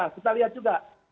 kita lihat juga